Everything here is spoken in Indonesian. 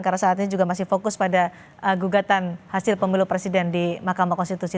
karena saat ini juga masih fokus pada gugatan hasil pemilu presiden di makamu konstitusi